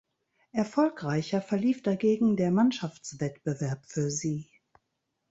Erfolgreicher verlief dagegen der Mannschaftswettbewerb für sie.